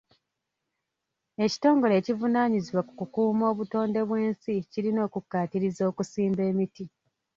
Ekitongole ekivunaanyizibwa ku kukuuma obutonde bw'ensi kirina okukkaatiriza okusimba emiti.